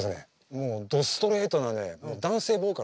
もうどストレートな男性ボーカル。